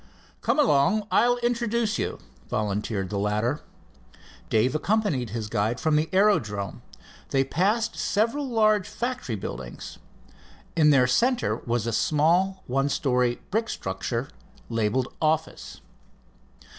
"Come along, I'll introduce you," volunteered the latter. Dave accompanied his guide from the aerodrome. They passed several large factory buildings. In their center was a small one story brick structure labeled "Office."